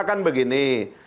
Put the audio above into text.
kita kan begini